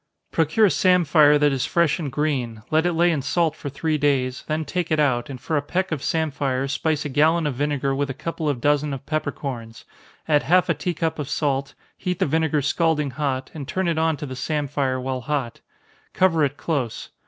_ Procure samphire that is fresh and green let it lay in salt for three days then take it out, and for a peck of samphire spice a gallon of vinegar with a couple of dozen of peppercorns add half a tea cup of salt heat the vinegar scalding hot, and turn it on to the samphire while hot cover it close.